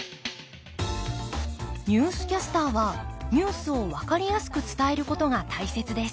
ニュースキャスターはニュースを分かりやすく伝えることが大切です。